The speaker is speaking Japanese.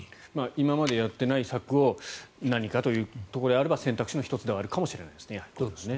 今までやっていない策を何かというところであれば選択肢の１つではあるかもしれないですね。